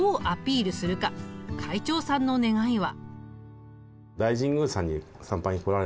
会長さんの願いは。